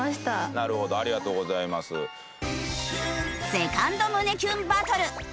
セカンド胸キュンバトル！